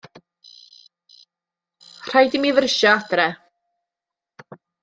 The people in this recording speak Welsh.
Rhaid i mi frysio adre.